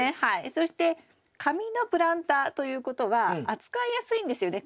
そして紙のプランターということは扱いやすいんですよね。